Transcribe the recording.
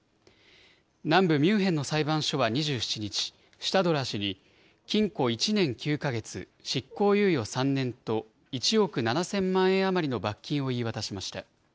南部ミュンヘンの裁判所は２７日、シュタドラー氏に、禁錮１年９か月執行猶予３年と１億７０００万円余りの罰金を言い渡しました。